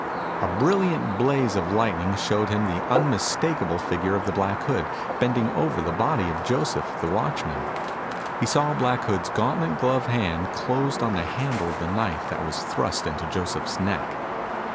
A brilliant blaze of lightning showed him the unmistakable figure of the Black Hood bending over the body of Joseph, the watchman. He saw Black Hood's gauntlet gloved hand closed on the handle of the knife that was thrust into Joseph's neck.